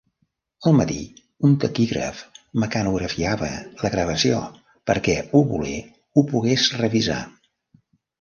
Al matí, un taquígraf mecanografiava la gravació perquè Oboler ho pogués revisar.